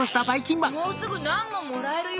もうすぐナンももらえるよ。